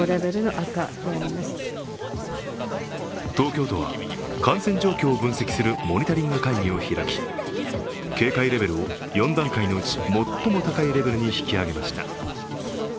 東京都は、感染状況を分析するモニタリング会議を開き、警戒レベルを４段階のうち最も高いレベルに引き上げました。